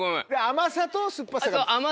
甘さと酸っぱさ。